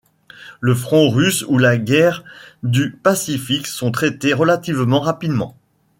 Le front russe ou la guerre du Pacifique sont traités relativement rapidement.